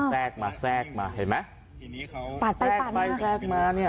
แทรกมาแทรกมาเห็นไหมทีนี้เขาปาดไปปาดไปแทรกมาเนี่ย